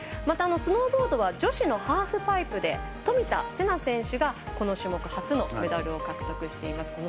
またスノーボードは女子ハーフパイプで冨田せな選手がこの種目初のメダルを獲得しています。